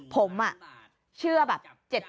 ผมอะเชื่อแบบ๗๐๓๐